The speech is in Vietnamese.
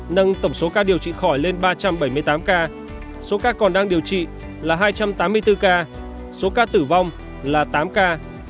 nâng tổng số ca điều trị khỏi lên ba trăm bảy mươi tám ca số ca còn đang điều trị là hai trăm tám mươi bốn ca số ca tử vong là tám ca